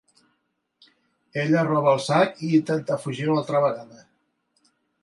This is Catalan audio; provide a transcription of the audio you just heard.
Ella roba el sac i intenta fugir una altra vegada.